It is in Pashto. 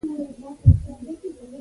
د اتمې هجري پېړۍ له فقیه سره همغږي شو.